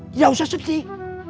tidak usah sedih